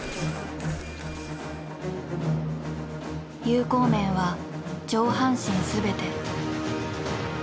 有効面は上半身全て。